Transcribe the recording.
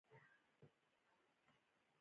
چې د ده لیکنه ژبې ته څه ورکولای شي.